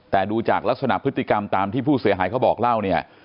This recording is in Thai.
แต่ดูจากลักษณะพฤติกรรมตามที่ผู้เสียหายเขาบอกเล่าเนี่ย